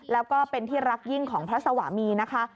แล้วก็เป็นที่รักยิ่งของพระสวามีนะคะ